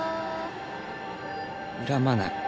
恨まない。